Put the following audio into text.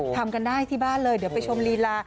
ทำกันได้ที่บ้านเลยเดี๋ยวไปชมลีลา